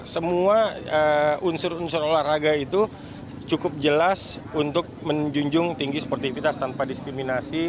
semua unsur unsur olahraga itu cukup jelas untuk menjunjung tinggi sportivitas tanpa diskriminasi